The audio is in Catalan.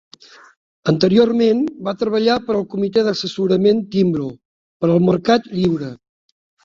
Anteriorment, va treballar per al comitè d"assessorament Timbro, per al mercat lliure.